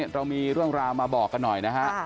เรามีเรื่องราวมาบอกกันหน่อยนะฮะ